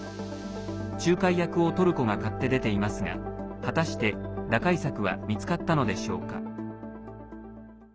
仲介役をトルコが買って出ていますが果たして打開策は見つかったのでしょうか。